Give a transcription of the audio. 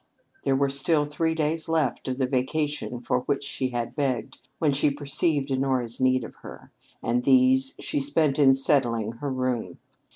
There were still three days left of the vacation for which she had begged when she perceived Honora's need of her, and these she spent in settling her room.